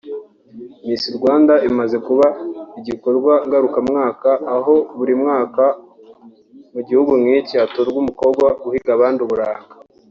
Miss Rwanda imaze kuba igikorwa ngarukamwaka aho buri mwaka mu gihe nk'iki hatorwa umukobwa uhiga abandi Uburanga